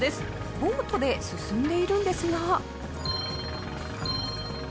ボートで進んでいるんですが。